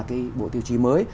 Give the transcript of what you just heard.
cái bộ tiêu chí mới